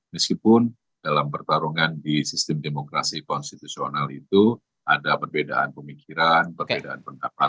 meskipun dalam pertarungan di sistem demokrasi konstitusional itu ada perbedaan pemikiran perbedaan pendapat